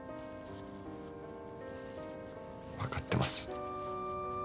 わかってます。